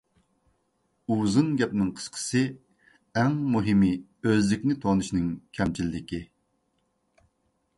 ئۇزۇن گەپنىڭ قىسقىسى، ئەڭ مۇھىمى ئۆزلۈكنى تونۇشنىڭ كەمچىللىكى.